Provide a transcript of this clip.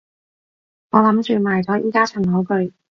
我諗住賣咗依加層樓佢